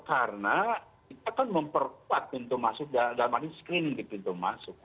karena kita kan memperkuat pintu masuk dalam hal ini screening pintu masuk